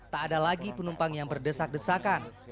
tak ada lagi penumpang yang berdesak desakan